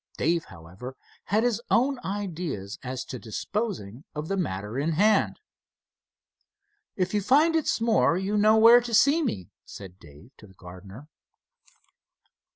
Dave, however, had his own ideas as to disposing of the matter in hand. "If you find it's more, you know where to see me," said Dave to the gardener.